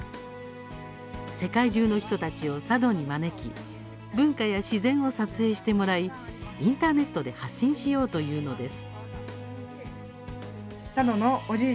世界中の人たちを佐渡に招き文化や自然を撮影してもらいインターネットで発信しようというのです。